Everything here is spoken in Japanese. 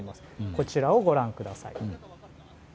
こちらをご覧ください。